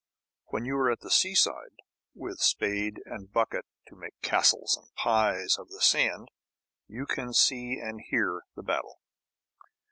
When you are at the seaside, with spade and bucket to make "castles" and "pies" of the sand, you can see and hear the battle.